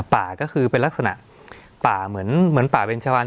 ป่าก็คือเป็นลักษณะป่าเหมือนเหมือนป่าเบนชะวัน